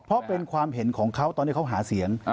เพราะเป็นความเห็นของเขาตอนที่เขาหาเสียง